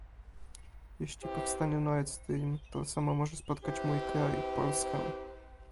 Jeśli powstanie Nord Stream, to samo może spotkać mój kraj - Polskę